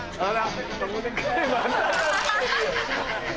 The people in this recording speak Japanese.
あら？